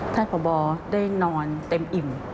ถ้าพ่อบอได้นอนเต็มอิ่ม